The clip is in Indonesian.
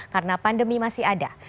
karena pandemi masih ada